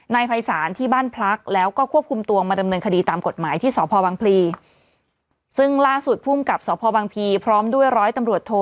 ภัยศาลที่บ้านพลักแล้วก็ควบคุมตัวมาดำเนินคดีตามกฎหมายที่สพบังพลีซึ่งล่าสุดภูมิกับสพบังพลีพร้อมด้วยร้อยตำรวจโท